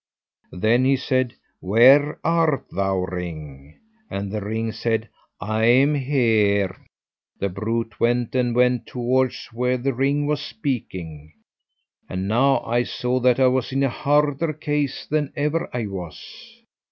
Then he said, 'Where art thou, ring?' And the ring said, 'I am here.' The brute went and went towards where the ring was speaking, and now I saw that I was in a harder case than ever I was.